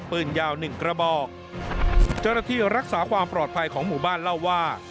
ปืนยาวหนึ่งกระบอกเจ้าหน้าที่รักษาความปลอดภัยของหมู่บ้านเล่าว่า